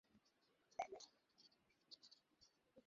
কিন্তু সাইটে ওটাই লেখা ছিল।